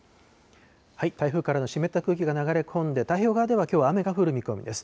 台風からの湿った空気が流れ込んで、太平洋側ではきょう雨が降る見込みです。